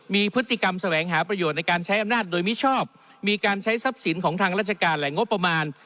มีพฤติกรรมแสวงหาประโยชน์ในการใช้อำนาจโดยมิชอบมีการใช้ทรัพย์สินของทางราชการและงบประมาณ